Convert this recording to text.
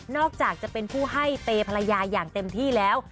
อกจากจะเป็นผู้ให้เปย์ภรรยาอย่างเต็มที่แล้ว